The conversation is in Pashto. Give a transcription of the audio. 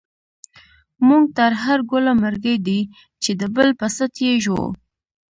مونږ ته هر گوله مرگۍ دۍ، چی دبل په ست یی ژوو